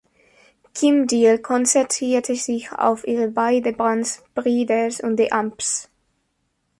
Kim Deal konzentrierte sich auf ihre beiden Bands Breeders und The Amps.